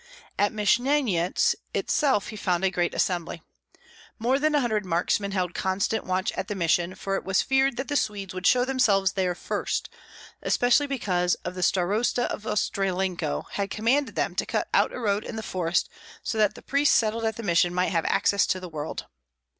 At Myshynyets itself he found a great assembly. More than a hundred marksmen held constant watch at the mission, for it was feared that the Swedes would show themselves there first, especially because the starosta of Ostrolenko had commanded them to cut out a road in the forest so that the priests settled at the mission might have "access to the world."